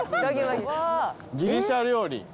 ギリシャ料理。